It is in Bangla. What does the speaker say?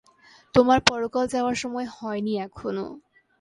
তোমার পরকালে যাওয়ার সময় হয়নি এখনও।